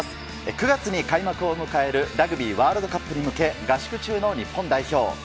９月に開幕を迎えるラグビーワールドカップに向け、合宿中の日本代表。